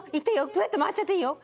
ぐるっと回っちゃっていいよ。